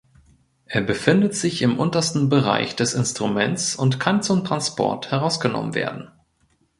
Er befindet sich im untersten Bereich des Instruments und kann zum Transport herausgenommen werden.